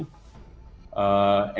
dan anda tahu